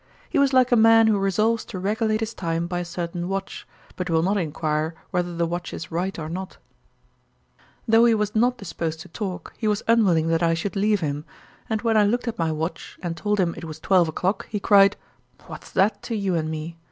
He was like a man who resolves to regulate his time by a certain watch; but will not inquire whether the watch is right or not.' Though he was not disposed to talk, he was unwilling that I should leave him; and when I looked at my watch, and told him it was twelve o'clock, he cried, 'What's that to you and me?'